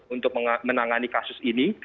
untuk menangani kasus ini